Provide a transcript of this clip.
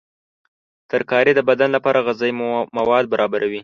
ترکاري د بدن لپاره غذایي مواد برابروي.